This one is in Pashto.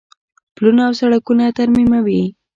پلونه او سړکونه ترمیموي.